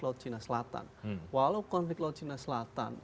laut cina selatan walau konflik laut cina selatan